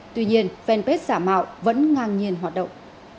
tuy nhiên fanpage giả mạo vẫn ngang nhiên hoạt động